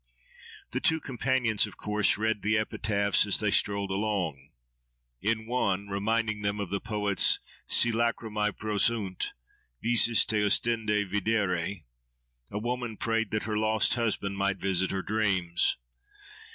The two companions, of course, read the epitaphs as they strolled along. In one, reminding them of the poet's—Si lacrimae prosunt, visis te ostende videri!—a woman prayed that her lost husband might visit her dreams.